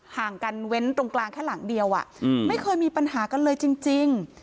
ห่างกันเว้นตรงกลางแค่หลังเดียวไม่เคยมีปัญหากันเลยจริง